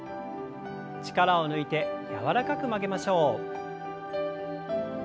力を抜いて柔らかく曲げましょう。